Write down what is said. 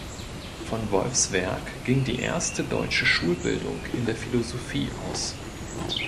Von Wolffs Werk ging die erste deutsche Schulbildung in der Philosophie aus.